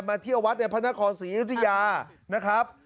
เที่ยววัดในพระนครศรีอยุธยานะครับ